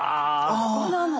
ここなの。